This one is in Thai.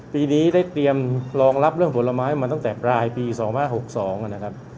ปีนี้ได้เตรียมรองรับเรื่องผลไม้มาตั้งแต่ปลายปี๒๕๖๒นะครับ